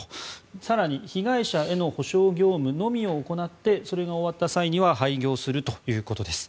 更に被害者への補償業務のみを行ってそれが終わった際には廃業するということです。